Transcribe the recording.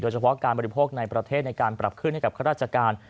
เฉพาะการบริโภคในประเทศในการปรับขึ้นให้กับข้าราชการ